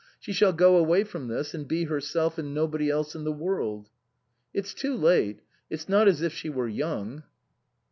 She shall go away from this, and be herself and nobody else in the world." " It's too late it's not as if she were young."